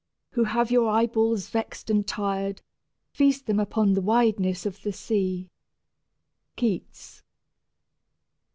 who have your eyeballs vex'd and tir'd, Feast them upon the wideness of the sea. KEATS.